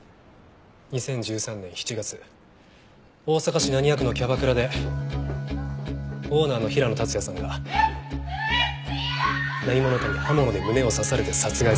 ２０１３年７月大阪市浪速区のキャバクラでオーナーの平野竜也さんが何者かに刃物で胸を刺されて殺害された。